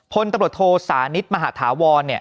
พลตำรวจโทษศาสตร์ธิตมหาธาวร